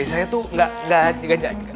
saya tuh gak gak gak